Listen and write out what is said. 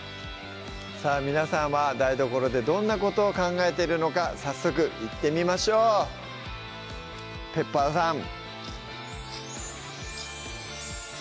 さぁ皆さんは台所でどんなことを考えているのか早速いってみましょうペッパーさん